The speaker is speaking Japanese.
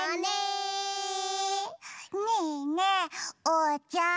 ねえねえおうちゃん。